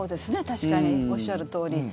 確かに、おっしゃるとおり。